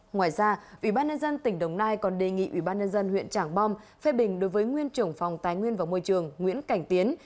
ngoài ra ủy ban nhân dân tỉnh đồng nai còn đề nghị ủy ban nhân dân huyện trảng bom phê bình đối với nguyên trưởng phòng tài nguyên và môi trường nguyễn cảnh tiến